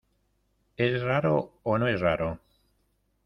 ¿ es raro o no es raro?